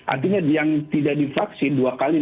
artinya yang tidak divaksin dua kali